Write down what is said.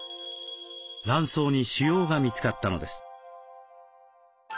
卵巣に腫瘍が見つかったのです。